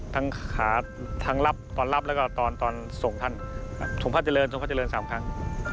ทั้งขาตรงรับตอนรับแล้วก็ตอนส่งท่านส่งพระเจริญสามครั้ง